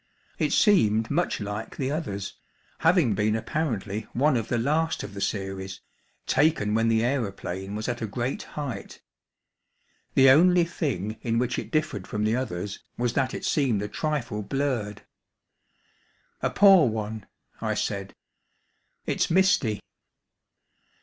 It seemed much like the others, having been apparently one of the last of the series, taken when the aeroplane was at a great height. The only thing in which it differed from the others was that it seemed a trifle blurred. "A poor one," I said; "it's misty."